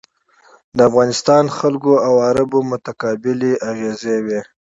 د افغانستان وګړو او عربو متقابلې اغېزې وې.